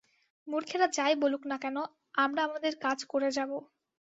মূর্খেরা যাই বলুক না কেন, আমরা আমাদের কাজ করে যাব।